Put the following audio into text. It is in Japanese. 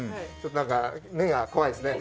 なんか目が怖いですね。